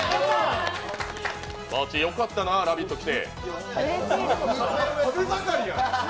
バーチー、よかったなあ、「ラヴィット！」来て。